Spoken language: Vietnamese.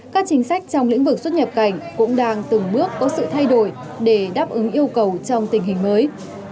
các chính sách trong lĩnh vực xuất nhập cảnh cũng đang từng bước có sự thay đổi để đáp ứng yêu cầu trong tình hình mới